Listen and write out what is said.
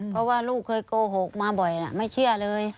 เพราะว่าลูกเคยโกหกมาบ่อยไม่เชื่อเลย